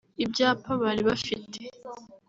Ibyapa bari bafite